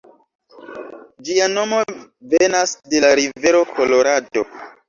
Ĝia nomo venas de la rivero Kolorado.